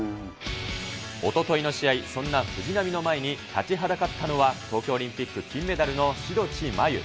おとといの試合、そんな藤波の前に立ちはだかったのは、東京オリンピック金メダルの志土地真優。